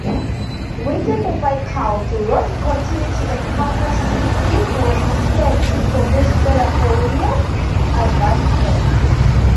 Within the faculty Rosi continued to encounter stiff resistance to his further career advancement.